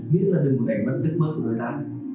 biết là đừng một ngày vẫn giấc mơ của người ta